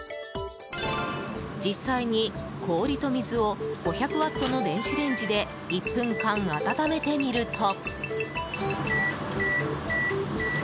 実際に、氷と水を５００ワットの電子レンジで１分間温めてみると。